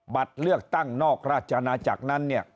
บัตรเลือกตั้งนอกราชนาจักรนั้นเนี่ย